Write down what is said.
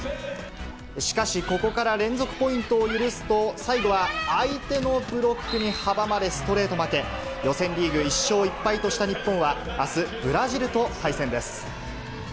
しかし、ここから連続ポイントを許すと、最後は相手のブロックに阻まれ、ストレート負け。予選リーグ１勝１敗とした日本は、あす、ブラジルと対戦です。